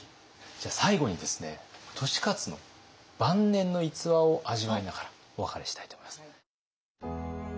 じゃあ最後にですね利勝の晩年の逸話を味わいながらお別れしたいと思います。